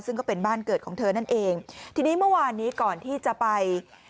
ซึ่งก็เป็นบ้านเกิดของเธอนั่นเองทีนี้เมื่อวานนี้ก่อนที่จะไป